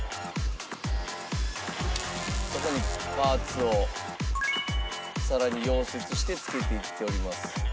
そこにパーツをさらに溶接して付けていっております。